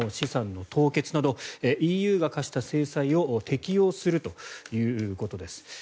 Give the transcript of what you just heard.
プーチン大統領らの資産の凍結などＥＵが科した制裁を適用するということです。